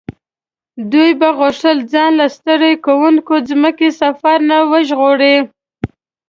دوی به غوښتل ځان له ستړي کوونکي ځمکني سفر نه وژغوري.